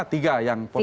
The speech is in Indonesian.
tiga yang potensial